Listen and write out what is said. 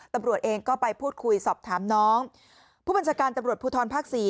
ตำรวจเองก็ไปพูดคุยสอบถามน้องผู้บัญชาการตำรวจภูทรภาคสี่